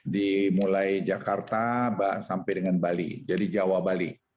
dimulai jakarta sampai dengan bali jadi jawa bali